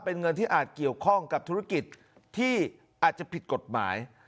เป็นเงินที่อาจเกี่ยวข้องกับธุรกิจที่อาจจะผิดกฎหมาย